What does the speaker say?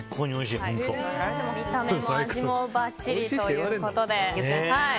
見た目も味もばっちりということです。